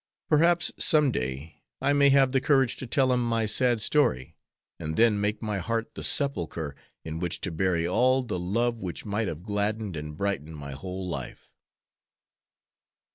Perhaps some day I may have the courage to tell him my sad story, and then make my heart the sepulchre in which to bury all the love which might have gladdened and brightened my whole life."